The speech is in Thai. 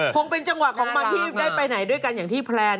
คงเป็นจังหวะของมันที่ได้ไปไหนด้วยกันอย่างที่แพลน